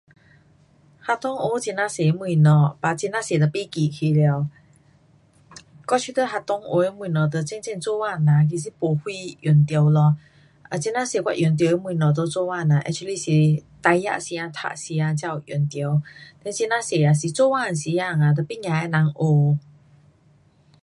学校学很呀多东西，but 很呀多都忘记去了。我觉得学校学的东西和真正做工呐其实没什用到咯。也很呐多我用到的东西在做工呐 actually 是大学时间读时间才有用到。then 很呐多啊做工的时间啊和旁边的人学。